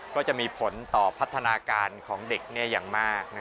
ก็จะมีผลต่อพัฒนาการของเด็กอย่างมาก